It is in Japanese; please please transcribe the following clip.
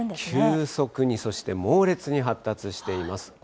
急速に、そして猛烈に発達しています。